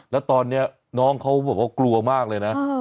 แล้วตอนนี้น้องเขาบอกว่ากลัวมากเลยนะ